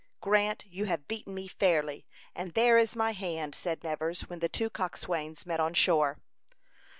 "Grant, you have beaten me fairly, and there is my hand," said Nevers, when the two coxswains met on shore.